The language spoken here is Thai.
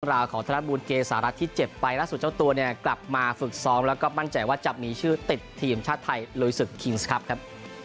ราวของธนบูลเกษารัฐที่เจ็บไปล่าสุดเจ้าตัวเนี่ยกลับมาฝึกซ้อมแล้วก็มั่นใจว่าจะมีชื่อติดทีมชาติไทยลุยศึกคิงส์ครับครับ